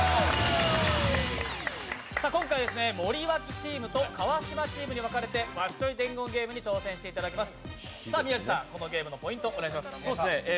今回ですね、森脇チームと川島チームに分かれて「わっしょい伝言ゲーム」に挑戦していただきます。